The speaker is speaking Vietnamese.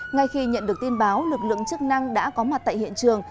ngay khi nhận được tin báo lực lượng chức năng đã có mặt tại hiện trường